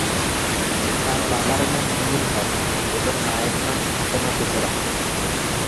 তার বাবার নাম নূরুল হক এবং মায়ের নাম ফাতেমা জোহরা।